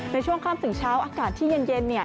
ในช่วงข้ามถึงเช้าอากาศที่เย็น